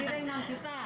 per piring enam juta